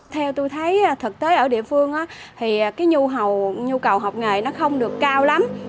theo tôi thấy thực tế ở địa phương thì cái nhu cầu học nghề nó không được cao lắm